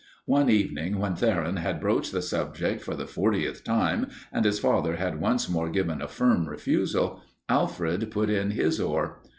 One evening, when Theron had broached the subject for the fortieth time and his father had once more given a firm refusal, Alfred put in his oar.